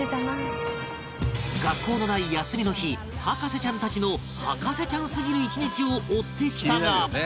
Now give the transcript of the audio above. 学校のない休みの日博士ちゃんたちの博士ちゃんすぎる１日を追ってきたが